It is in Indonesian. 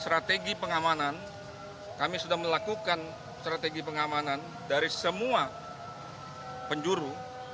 strategi pengamanan kami sudah melakukan strategi pengamanan dari semua penjuru